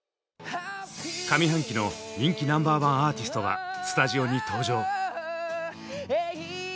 上半期の人気ナンバーワンアーティストがスタジオに登場！